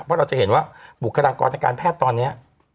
เพราะเราจะเห็นว่าบุคลากรทางการแพทย์ตอนนี้